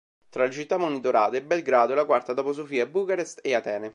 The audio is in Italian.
Tra le città monitorate, Belgrado è la quarta dopo Sofia, Bucarest e Atene.